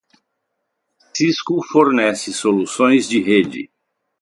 Cisco fornece soluções de rede.